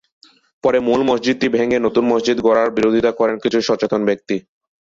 পরে মূল মসজিদটি ভেঙ্গে নতুন মসজিদ গড়ার বিরোধিতা করেন কিছু সচেতন ব্যক্তি।